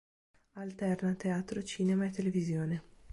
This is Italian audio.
Alterna teatro, cinema e televisione.